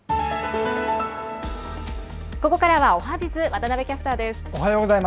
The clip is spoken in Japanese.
ここからはおはＢｉｚ、渡部キャスターです。